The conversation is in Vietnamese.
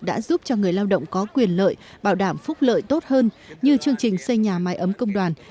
đã giúp cho người lao động có quyền lợi bảo đảm phúc lợi tốt hơn như chương trình xây nhà mái ấm công đoàn